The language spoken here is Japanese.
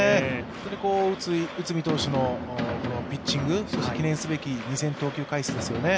内海投手のピッチングそして記念すべき２０００投球回数ですよね。